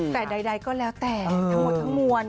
แต่ใดก็แล้วแต่ทั้งหมดทั้งมวล